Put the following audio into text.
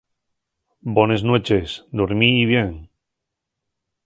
Bones nueches, dormíi bien.